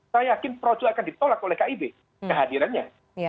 saya yakin projo akan ditolak oleh kib kehadirannya